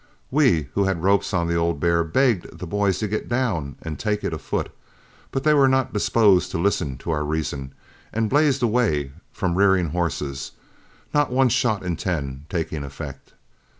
We who had ropes on the old bear begged the boys to get down and take it afoot, but they were not disposed to listen to our reasons, and blazed away from rearing horses, not one shot in ten taking effect.